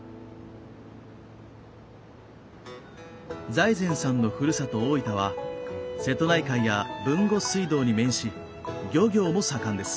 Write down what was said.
財前さんのふるさと大分は瀬戸内海や豊後水道に面し漁業も盛んです。